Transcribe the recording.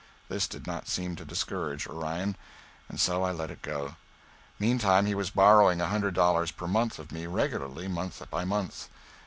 This did not seem to discourage Orion, and so I let it go. Meantime he was borrowing a hundred dollars per month of me regularly, month by month.